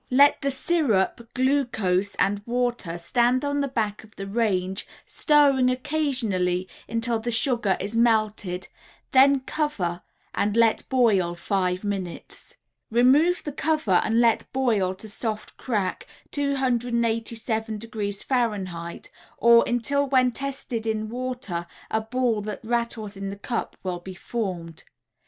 Let the sugar, syrup, glucose and water stand on the back of the range, stirring occasionally, until the sugar is melted, then cover and let boil five minutes. Remove the cover and let boil to soft crack, 287° F., or, until when tested in water a ball that rattles in the cup will be formed.